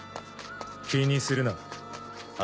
気にするなあ